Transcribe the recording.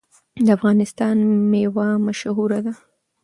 د افغانستان میوه مشهوره ده.